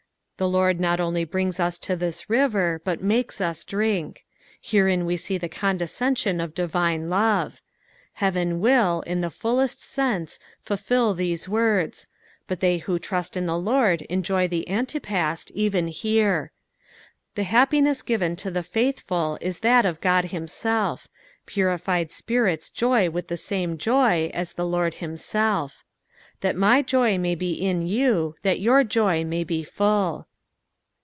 The Lord not only brin^ us to this river, but makes us drink : hereto we see the condescension of divine love, neaven will, in the fullest sense, fulfil these words ; but they who trust in the Lord enjoy the antepust even here. The happiness given to the faithful ia that of God himself ; piiiified spirits joy with the same joy as the Lord himself. " That my joy may be in you, that your joy may be full."